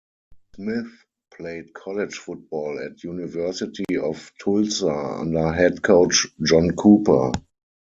Smith played college football at University of Tulsa under head coach John Cooper.